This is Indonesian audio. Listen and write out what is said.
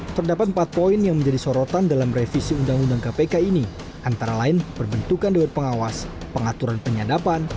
terdapat empat poin yang menjadi sorotan dalam revisi undang undang kpk ini antara lain perbentukan dewan pengawas pengaturan penyadapan